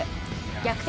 逆転